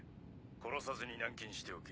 殺さずに軟禁しておけ。